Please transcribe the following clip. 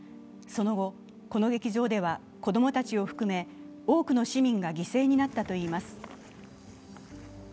その後、この劇場では子供たちを含め多くの市民が犠牲になったといいます。